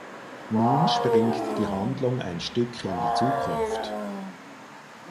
Nun springt die Handlung ein Stück in die Zukunft.